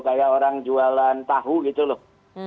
kayak orang jualan tahu gitu loh